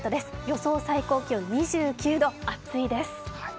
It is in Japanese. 予想最高気温２９度、暑いです。